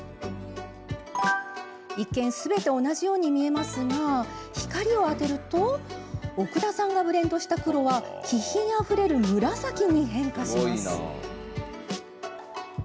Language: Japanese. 一見すべて同じように見えますが光を当てますと奥田さんがブレンドした黒は気品あふれる紫に変化します。